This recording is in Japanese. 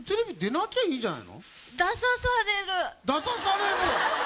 出さされるの？